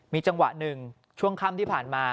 มีจังหวะหนึ่งช่วงค่ำที่ผ่านมา